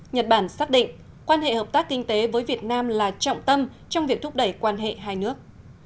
nhật bản xác định quan hệ hợp tác kinh tế với việt nam là trọng tâm trong việc thúc đẩy quan hệ hai nước